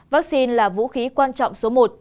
vaccine là vũ khí quan trọng số một